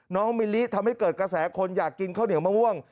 มิลลิทำให้เกิดกระแสคนอยากกินข้าวเหนียวมะม่วง